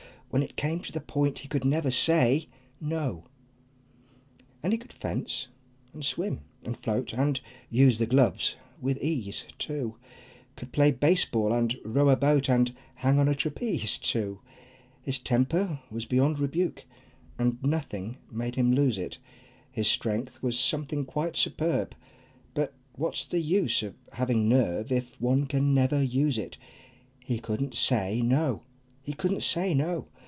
When it came to the point he could never say "No!" And he could fence, and swim, and float, And use the gloves with ease too, Could play base ball, and row a boat, And hang on a trapeze too; His temper was beyond rebuke, And nothing made him lose it; His strength was something quite superb, But what's the use of having nerve If one can never use it? He couldn't say "No!" He couldn't say "No!"